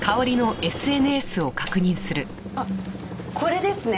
あっこれですね。